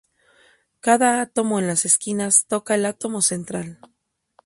Cada átomo en las esquinas toca el átomo central.